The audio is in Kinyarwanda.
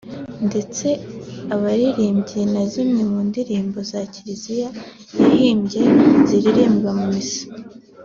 ndetse abaririmbira na zimwe mu ndirimbo za Kiriziya yahimbye ziririmbwa mu Missa